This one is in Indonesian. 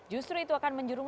justru itu akan menjerumuskan